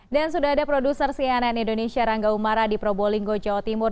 dan sudah ada produser cnn indonesia rangga umara di pro bowling go jawa timur